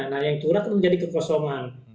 nah yang curah itu menjadi kekosongan